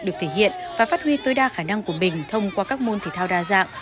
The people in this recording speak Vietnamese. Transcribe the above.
được thể hiện và phát huy tối đa khả năng của mình thông qua các môn thể thao đa dạng